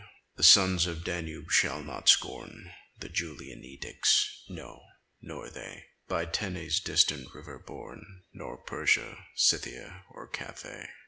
The sons of Danube shall not scorn The Julian edicts; no, nor they By Tanais' distant river born, Nor Persia, Scythia, or Cathay.